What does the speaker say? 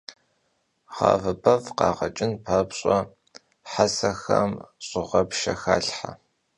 Ğave bev khağeç'ın papş'e, hesexem ş'ığepşşer xalhhe.